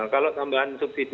kalau tambahan subsidi